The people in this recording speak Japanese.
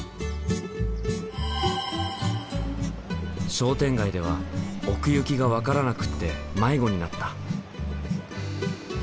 商店街では奥行きが分からなくって迷子になった。